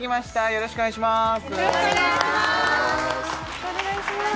よろしくお願いします！